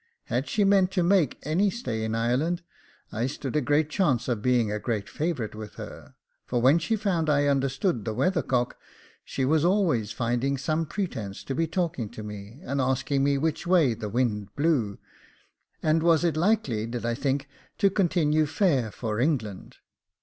Had she meant to make any stay in Ireland, I stood a great chance of being a great favourite with her; for when she found I understood the weathercock, she was always finding some pretence to be talking to me, and asking me which way the wind blew, and was it likely, did I think, to continue fair for England.